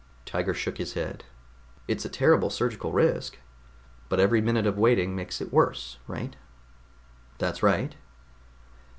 Tiger shook his head. "It's a terrible surgical risk." "But every minute of waiting makes it worse, right?" "That's right."